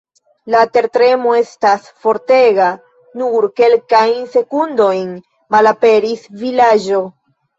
La tertremo estas fortega, nur kelkajn sekundojn, malaperis vilaĝo.